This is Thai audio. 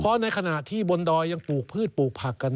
เพราะในขณะที่บนดอยยังปลูกพืชปลูกผักกัน